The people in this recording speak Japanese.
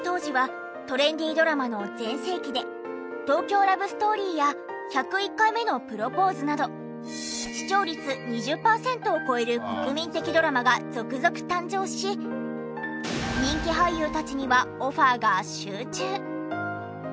『東京ラブストーリー』や『１０１回目のプロポーズ』など視聴率２０パーセントを超える国民的ドラマが続々誕生し人気俳優たちにはオファーが集中！